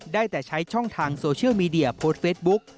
ได้แต่ใช้ช่องทางโซเชียลมีเดียโพสต์เฟซบุ๊ก